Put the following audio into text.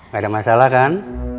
gak ada masalah kan